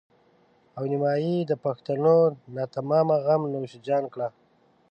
او نيمایي د پښتنو ناتمامه غم نوش جان کړه.